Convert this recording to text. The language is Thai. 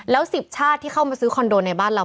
แล้ว๑๐ชาติที่เข้ามาซื้อคอนโดในบ้านเรา